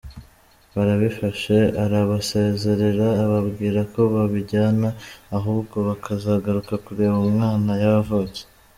Barabifashe arabasezerera, ababwira ko babijyana ahubwo bakazagaruka kureba umwana yavutse.